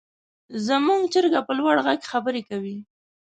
زموږ چرګه په لوړ غږ خبرې کوي.